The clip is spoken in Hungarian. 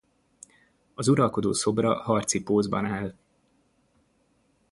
Az uralkodó szobra harci pózban áll.